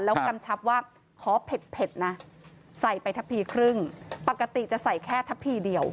แล้วกำชับว่าขอเผ็ดนะใส่ไปทะพีครึ่งปกติจะใส่แค่ทะพีเดียว